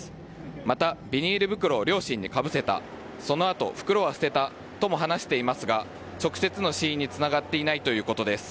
また、ビニール袋を両親にかぶせた、そのあと袋は捨てたとも話していますが、直接の死因につながっていないということです。